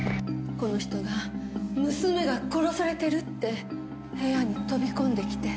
この人が娘が殺されてるって部屋に飛び込んで来て。